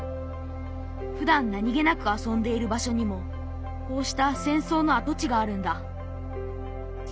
ふだん何気なく遊んでいる場所にもこうした戦争の跡地があるんだ。